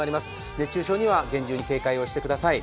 熱中症には厳重に警戒をしてください。